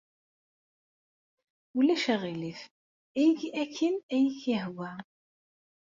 Ulac aɣilif. Eg akken ay ak-yehwa.